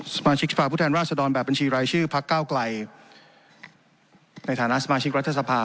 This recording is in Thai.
สมาชิกสภาพผู้แทนราชดรแบบบัญชีรายชื่อพักเก้าไกลในฐานะสมาชิกรัฐสภา